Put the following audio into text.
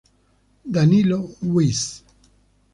Danilo Wyss